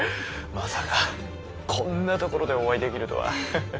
まさかこんな所でお会いできるとは。